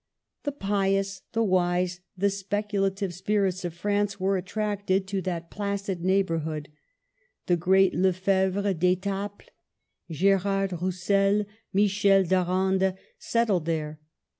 The pious, the wise, the speculative spirits of France were attracted to that placid neighborhood ; the great Lefebvre d'Etaples, Gerard Roussel, Michel d'Arande, settled there.